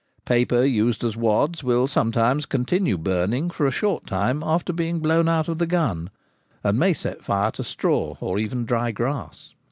Paper used as wads will sometimes continue burning for a short time after being blown out of the gun, and may set fire to straw, or even dry grass.